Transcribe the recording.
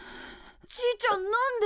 じいちゃんなんで？